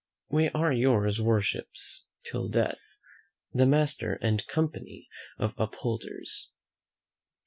"We are your Worship's till death, "The MASTER and COMPANY of UPHOLDERS.